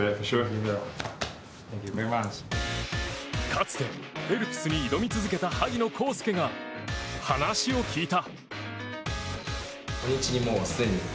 かつてフェルプスに挑み続けた萩野公介が、話を聞いた。